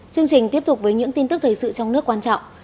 chương trình tiếp tục với những tin tức thời sự trong nước quan trọng